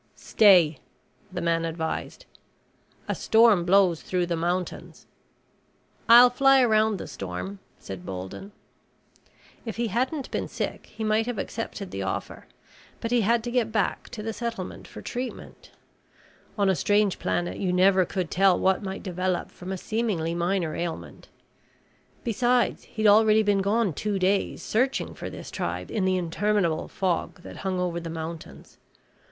"Stay," the man advised. "A storm blows through the mountains." "I will fly around the storm," said Bolden. If he hadn't been sick he might have accepted the offer. But he had to get back to the settlement for treatment. On a strange planet you never could tell what might develop from a seemingly minor ailment. Besides he'd already been gone two days searching for this tribe in the interminable fog that hung over the mountains.